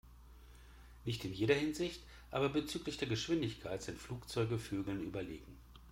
Nicht in jeder Hinsicht, aber bezüglich der Geschwindigkeit sind Flugzeuge Vögeln überlegen.